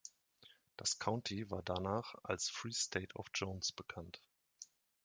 Das County war danach als "Free State of Jones" bekannt.